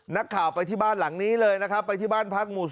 นักข่าวไปที่บ้านหลังนี้เลยนะครับไปที่บ้านพักหมู่๔